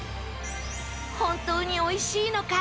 本当においしいのか？